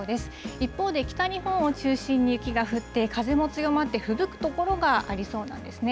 一方で北日本を中心に雪が降って、風も強まってふぶく所がありそうなんですね。